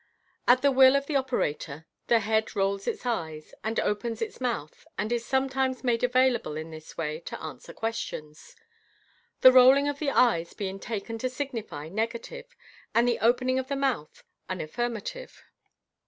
At the will of the operator, the head rolls its eyes and opens its mouth, and is sometimes made available in this way to answer questions j the rolling of the eyes being taken to signify u Fig. 286. MODERN MAGIC. 459 negative, and the open ing of the mouth an affirmative.